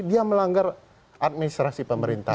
dia melanggar administrasi pemerintahan